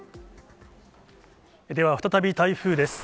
では再び、台風です。